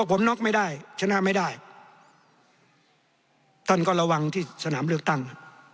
ผมน็อกไม่ได้ชนะไม่ได้ท่านก็ระวังที่สนามเลือกตั้ง